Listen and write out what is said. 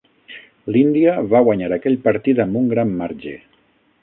L'Índia va guanyar aquell partit amb un gran marge.